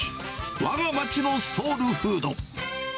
わが町のソウルフード。